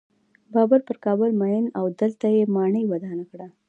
بابر پر کابل مین و او دلته یې ماڼۍ ودانه کړه.